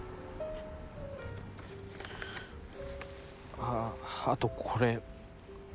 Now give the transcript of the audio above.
ああとこれ。